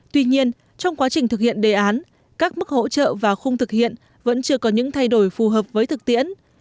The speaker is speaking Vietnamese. tuy nhiên trong quá trình thực hiện đề án các mức hỗ trợ và khung thực hiện vẫn chưa có những thay đổi phù hợp với thực tiễn